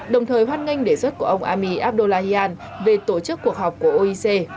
đồng thời hoát nganh đề xuất của ông amir abdullahian về tổ chức cuộc họp của oic